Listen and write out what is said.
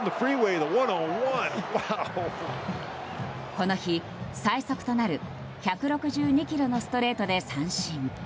この日、最速となる１６２キロのストレートで三振。